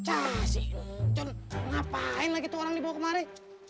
aduh si ngapain lagi tuh orang dibawa ke mare